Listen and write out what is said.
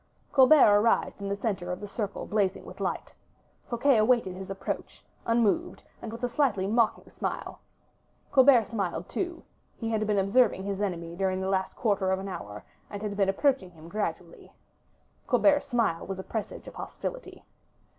'" Colbert arrived in the center of the circle blazing with light; Fouquet awaited his approach, unmoved and with a slightly mocking smile. Colbert smiled too; he had been observing his enemy during the last quarter of an hour, and had been approaching him gradually. Colbert's smile was a presage of hostility.